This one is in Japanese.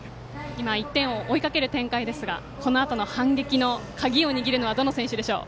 １点を追いかける展開ですがこのあとの反撃の鍵を握るのはどの選手でしょう？